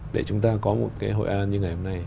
để chúng ta có một cái hội an như ngày hôm nay